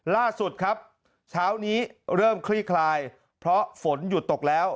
ล่าสุดครับเช้านี้เริ่มคลี่คลายเพราะฝนหยุดตกแล้ว